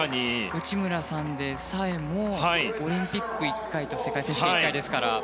内村さんでさえもオリンピック１回と世界選手権１回ですから。